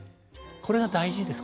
これが大事ですかね